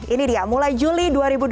ini dia mulai juli dua ribu dua puluh